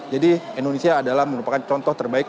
jadi indonesia adalah merupakan contoh terbaik